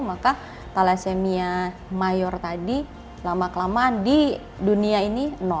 maka thalassemia mayor tadi lama kelamaan di dunia ini